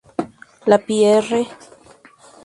La Pierre